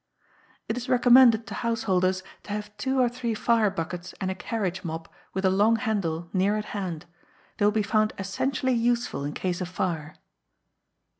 It is recommended to Householders to have two or three fire buckets and a carriage mop with a long handle near at hand; they will be found essentially useful in case of fire.